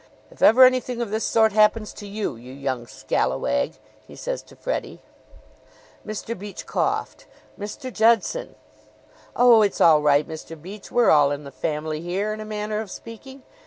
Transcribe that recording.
'If ever anything of this sort happens to you, you young scalawag,' he says to Freddie " Mr. Beach coughed. "Mr. Judson!" "Oh, it's all right, Mr. Beach; we're all in the family here, in a manner of speaking.